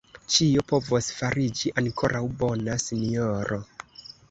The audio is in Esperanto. Ĉio povos fariĝi ankoraŭ bona, sinjoro.